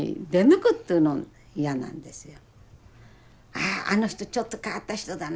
「あああの人ちょっと変わった人だな」。